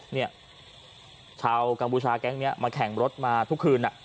เนี่ยชาวกัมพูชาแก๊งนี้มาแข่งรถมาทุกคืน